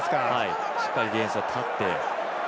しっかりディフェンスが立って。